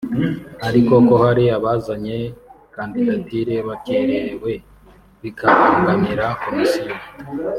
ariko ko hari abazanye kandidatire bakererewe bikabangamira Komisiyo